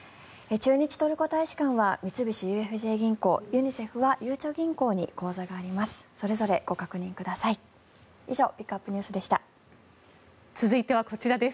駐日トルコ大使館は三菱ＵＦＪ銀行ユニセフはゆうちょ銀行に口座があります。